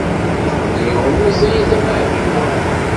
Nitni ur meẓẓiyit am ɛemmi Muḥ.